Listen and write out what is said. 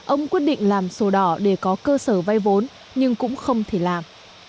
ông quyết định làm sổ đỏ để có cơ sở vay vốn nhưng cũng không thể làm